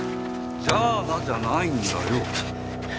「じゃあな」じゃないんだよ。